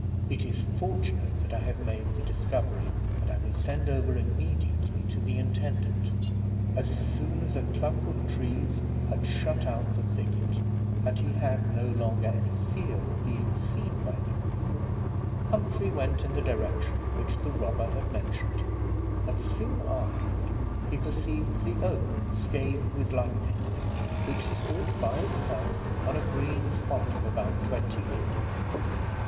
It is fortunate that I have made the discovery and I will send over immediately to the intendant." As soon as a clump of trees had shut out the thicket, and he had no longer any fear of being seen by these people, Humphrey went in the direction which the robber had mentioned, and soon afterward he perceived the oak scathed with lightning, which stood by itself on a green spot of about twenty acres.